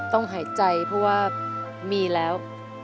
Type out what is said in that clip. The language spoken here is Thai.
หายใจเพราะว่ามีแล้ว